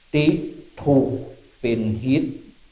ติธุปินฮิต